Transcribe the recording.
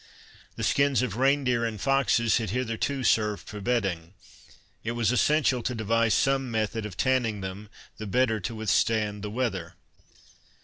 The skins of rein deer and foxes had hitherto served for bedding. It was essential to devise some method of tanning them, the better to withstand the weather.